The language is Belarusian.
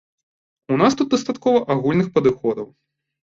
У нас тут дастаткова агульных падыходаў.